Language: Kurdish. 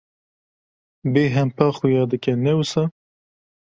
Bêhempa xuya dike, ne wisa?